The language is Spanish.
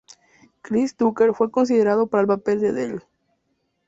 Chris Tucker fue considerado para el papel de Dell.